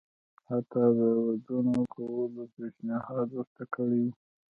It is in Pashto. حتی د ودونو د کولو پېشنهاد ورته کړی وو.